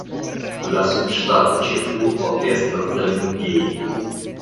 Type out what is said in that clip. La subŝtata ĉefurbo estas Zalingei.